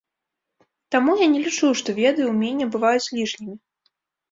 Таму я не лічу, што веды, уменне бываюць лішнімі.